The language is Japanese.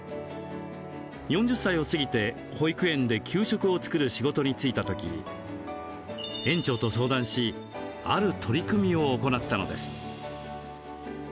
４０歳を過ぎて保育園で給食を作る仕事に就いた時園長と相談しある取り組みを行ったのです。